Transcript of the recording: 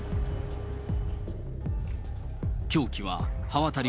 凶器は刃渡り